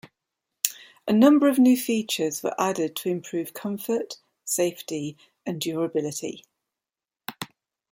A number of new features were added to improve comfort, safety, and durability.